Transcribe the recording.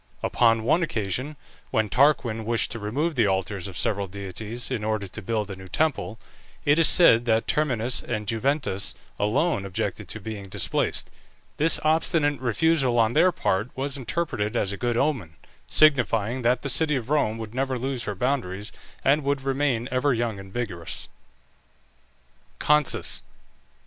Upon one occasion, when Tarquin wished to remove the altars of several deities, in order to build a new temple, it is said that Terminus and Juventas alone objected to being displaced. This obstinate refusal on their part was interpreted as a good omen, signifying that the city of Rome would never lose her boundaries, and would remain ever young and vigorous. CONSUS.